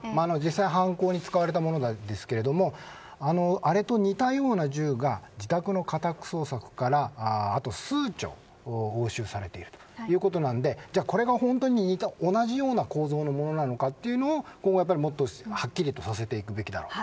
実際犯行に使われたものですがあれと似たような銃が自宅の家宅捜索からあと数丁押収されているということでこれが本当に同じような構造のものなのかというのをもっとはっきりとさせていくべきだろうと。